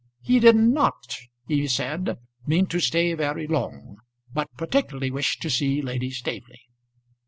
"He did not," he said, "mean to stay very long; but particularly wished to see Lady Staveley."